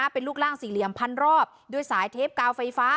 เป็นรูปร่างสี่เหลี่ยมพันรอบด้วยสายเทปกาวไฟฟ้า